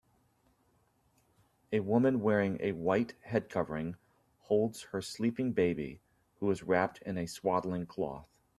A woman wearing a white headcovering holds her sleeping baby, who is wrapped in swaddling cloth.